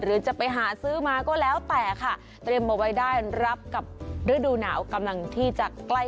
จะไปหาซื้อมาก็แล้วแต่ค่ะเตรียมเอาไว้ได้รับกับฤดูหนาวกำลังที่จะใกล้